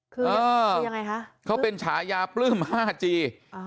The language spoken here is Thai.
คือยังไงคะเขาเป็นฉายาปลื้ม๕จี